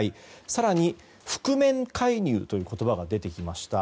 更に覆面介入という言葉が出てきました。